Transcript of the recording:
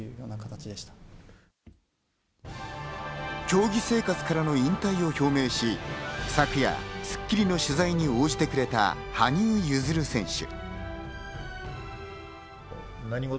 競技生活からの引退を表明し、昨夜『スッキリ』の取材に応じてくれた羽生結弦選手。